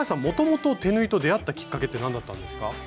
もともと手縫いと出会ったきっかけって何だったんですか？